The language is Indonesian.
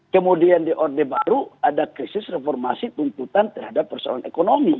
kemudian di orde baru ada krisis reformasi tuntutan terhadap persoalan ekonomi